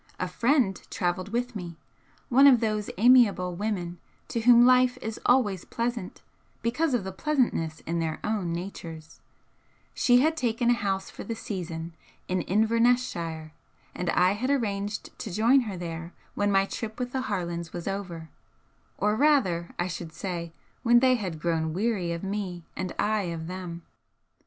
A friend travelled with me one of those amiable women to whom life is always pleasant because of the pleasantness in their own natures; she had taken a house for the season in Inverness shire, and I had arranged to join her there when my trip with the Harlands was over, or rather, I should say, when they had grown weary of me and I of them.